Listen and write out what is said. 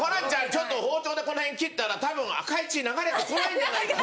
ちょっと包丁でこの辺切ったらたぶん赤い血流れてこないんじゃないかな。